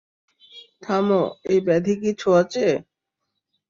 থামো, এই ব্যাধি কি ছোঁয়াচে?